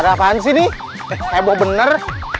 ada apaan sih di heboh bener